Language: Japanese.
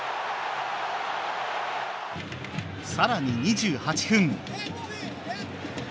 さらに２８分。